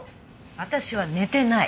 私は寝てない。